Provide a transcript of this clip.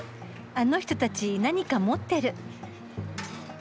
あの人たち何か持ってる。